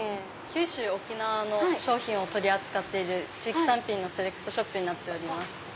九州沖縄の商品を取り扱ってる地域産品のセレクトショップになっております。